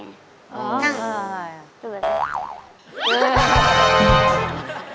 นั่งดูไปก่อน